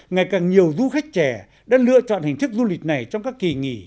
ngày càng nhiều du khách trẻ đã lựa chọn hình thức du lịch này trong các kỳ nghỉ